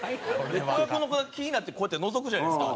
子役の子が気になってこうやってのぞくじゃないですか。